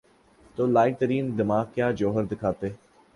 تو لائق ترین دماغ کیا جوہر دکھاتے؟